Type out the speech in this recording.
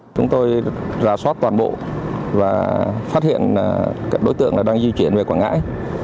chúng tôi ra xót toàn bộ và phát hiện đối tượng đang di chuyển về quảng ngãi